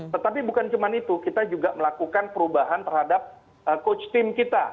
tetapi bukan cuma itu kita juga melakukan perubahan terhadap coach team kita